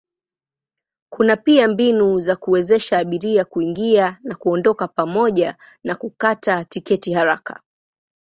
Kuna pia mbinu za kuwezesha abiria kuingia na kuondoka pamoja na kukata tiketi haraka.